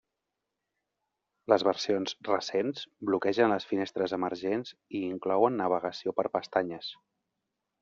Les versions recents bloquegen les finestres emergents i inclouen navegació per pestanyes.